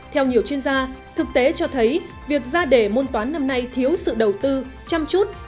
theo nhiều chuyên gia thực tế cho thấy việc ra đề môn toán năm nay thiếu sự đầu tư chăm chút